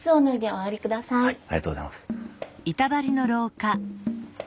ありがとうございます。